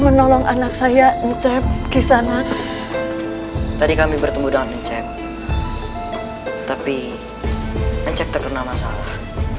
menolong anak saya ngecep kisahnya tadi kami bertemu dengan encep tapi encep terkena masalah